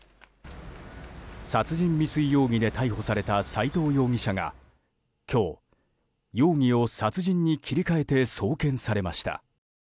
殺人未遂容疑で逮捕された斎藤容疑者が今日、容疑を殺人に切り替えて送検されました。